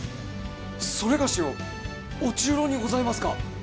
それがしを御中臈にございますか！？